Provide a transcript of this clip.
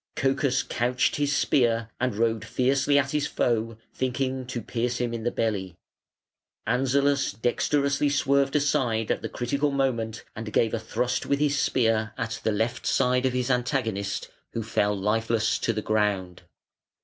Cocas couched his spear and rode fiercely at his foe, thinking to pierce him in the belly. Anzalas dexterously swerved aside at the critical moment and gave a thrust with his spear at the left side of his antagonist, who fell lifeless to the ground.